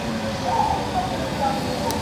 که ته رښتیا ووایې، هرڅوک به پر تا باور وکړي.